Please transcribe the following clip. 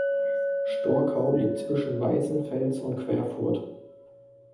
Storkau liegt zwischen Weißenfels und Querfurt.